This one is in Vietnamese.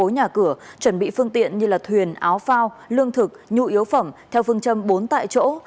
như là thuyền áo phao lương thực nhụ yếu phẩm theo phương châm bốn tại chỗ